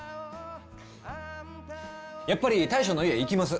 やっぱり大将の家行きます。